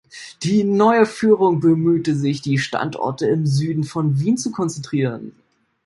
Die neue Führung bemühte sich, die Standorte im Süden von Wien zu konzentrieren.